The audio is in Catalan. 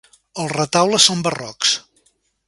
Els retaules són barrocs.